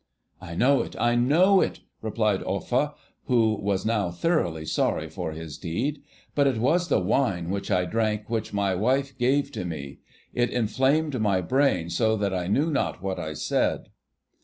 'I know it, I know it,' replied Offa, who was now thoroughly sorry for his deed; 'but it was the wine which I drank, which my wife gave to me. It inflamed my brain so that I knew not what I said.